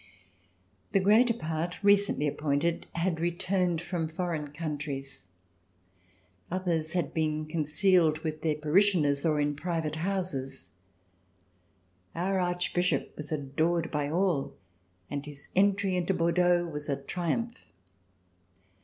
The greater part, recently appointed, had returned from foreign countries. Others had been concealed with their parishioners or in private houses. Our Archbishop was adored by all and his entry into Bordeaux was a triumph.